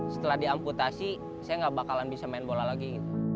setelah diamputasi saya gak bakalan bisa main bola lagi